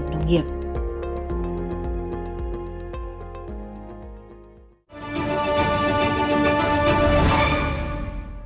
ngành nông nghiệp trên toàn cầu